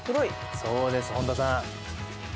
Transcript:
そうです、本田さん。